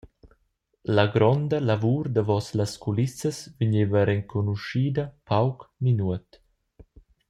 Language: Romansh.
La gronda lavur davos las culissas vegneva renconuschida pauc ni nuot.